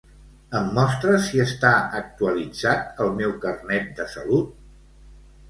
Em mostres si està actualitzat el meu Carnet de salut?